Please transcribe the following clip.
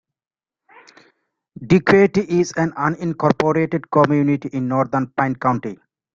Duquette is an unincorporated community in northern Pine County.